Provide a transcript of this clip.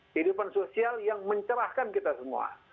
kehidupan sosial yang mencerahkan kita semua